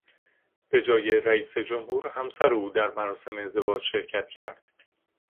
به جای رئیس جمهور همسر او در مراسم ازدواج شرکت کرد.